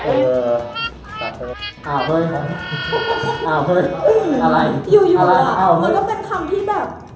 อยู่มันก็เป็นคำที่แบบ